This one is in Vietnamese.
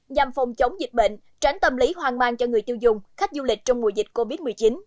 nhằm phòng chống dịch bệnh tránh tâm lý hoang mang cho người tiêu dùng khách du lịch trong mùa dịch covid một mươi chín